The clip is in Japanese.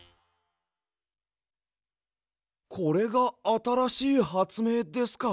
これがあたらしいはつめいですか。